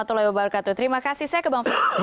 terima kasih saya ke bang ferdi